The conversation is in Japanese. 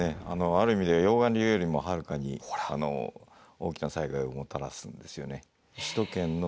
ある意味で溶岩流よりもはるかに大きな災害をもたらすんですよね。